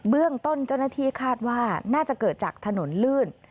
เรื่องต้นเจ้าหน้าที่คาดว่าน่าจะเกิดจากถนนลื่น